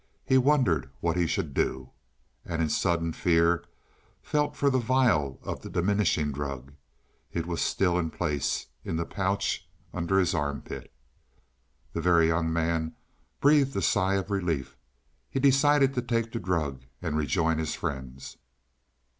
He wondered what he should do, and in sudden fear felt for the vial of the diminishing drug. It was still in place, in the pouch under his armpit. The Very Young Man breathed a sigh of relief. He decided to take the drug and rejoin his friends.